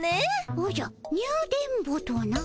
おじゃニュ電ボとな？